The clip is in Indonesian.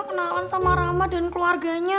kenalan sama rama dan keluarganya